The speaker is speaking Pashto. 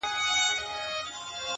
زما د تصور لاس گراني ستا پر ځــنگانـه؛